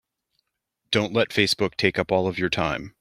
Don't let Facebook take up all of your time.